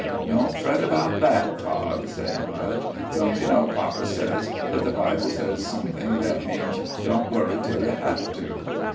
"Don't fret about that, Tod," said Budge. "Don't you know papa says that the Bible says something that means 'don't worry till you have to.'"